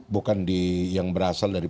bukan yang berasal dari